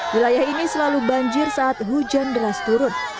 wilayah ini selalu banjir saat hujan deras turun